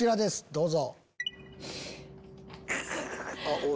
どうぞ。